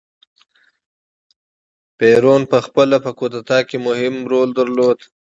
پېرون په خپله په کودتا کې مهم رول درلود.